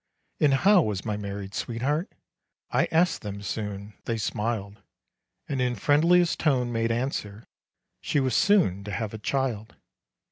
And how was my married sweetheart? I asked them soon. They smiled, And in friendliest tone made answer She was soon to have a child.